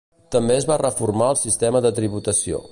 També es va reformar el sistema de tributació.